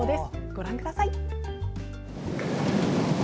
ご覧ください！